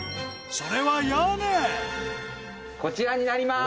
それはこちらになります！